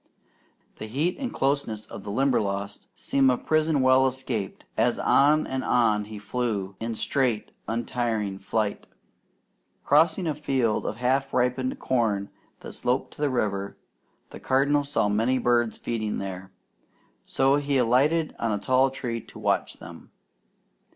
The heat and closeness of the Limberlost seemed a prison well escaped, as on and on he flew in straight untiring flight. Crossing a field of half ripened corn that sloped to the river, the Cardinal saw many birds feeding there, so he alighted on a tall tree to watch them.